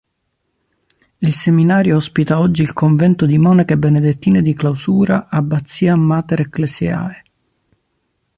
Il seminario ospita oggi il convento di monache benedettine di clausura Abbazia Mater Ecclesiae.